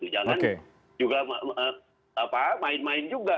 jangan main main juga